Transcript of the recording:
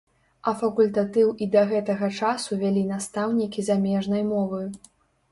А факультатыў і да гэтага часу вялі настаўнікі замежнай мовы.